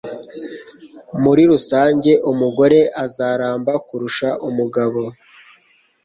Muri rusange, umugore azaramba kurusha umugabo.